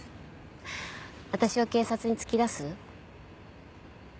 私を警察に突き出す？